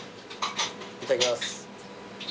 いただきます。